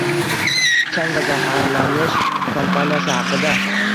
Chang va zaharlanish kampaniyasi haqida